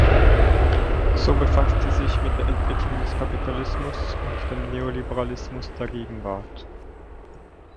So befasst sie sich mit der Entwicklung des Kapitalismus und dem Neoliberalismus der Gegenwart.